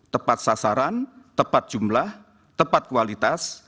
tepat sasaran tepat jumlah tepat kualitas